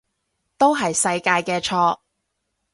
都係世界嘅錯